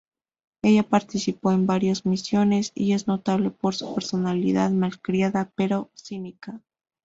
Ella participó en varias misiones y es notable por su personalidad malcriada, pero cínica.